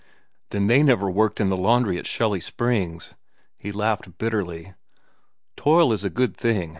"Then they never worked in the laundry at Shelly Hot Springs," he laughed bitterly. "Toil is a good thing.